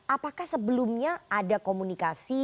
apakah sebelumnya ada komunikasi